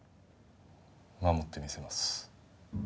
守ってみせます